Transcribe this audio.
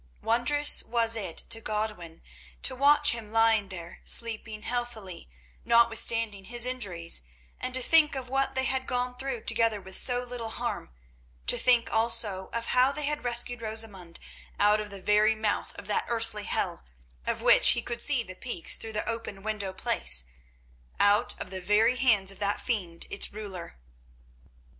Wondrous was it to Godwin to watch him lying there sleeping healthily, notwithstanding his injuries, and to think of what they had gone through together with so little harm; to think, also, of how they had rescued Rosamund out of the very mouth of that earthly hell of which he could see the peaks through the open window place—out of the very hands of that fiend, its ruler.